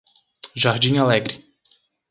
Jardim Alegre